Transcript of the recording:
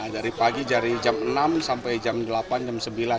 dari pagi dari jam enam sampai jam delapan jam sembilan